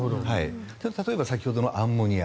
例えば先ほどのアンモニア